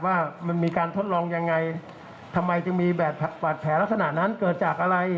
ว่ามันมีการทดลองยังไงทำไมจึงมีบาดแผลลักษณะนั้นเกิดจากอะไร